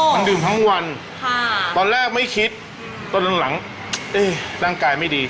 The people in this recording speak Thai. มันดื่มทั้งวันตอนแรกไม่คิดตอนหลังร่างกายไม่ดี